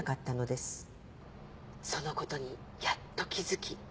「そのことにやっと気付き